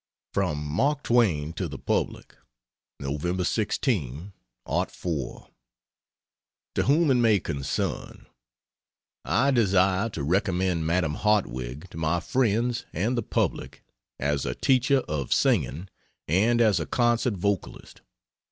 From Mark Twain to the Public: Nov. 16, '04. TO WHOM IT MAY CONCERN, I desire to recommend Madame Hartwig to my friends and the public as a teacher of singing and as a concert vocalist.